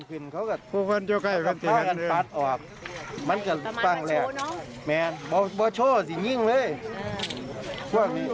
อืมครูแหลนไม่พุนพุกแต่ได้ยินดี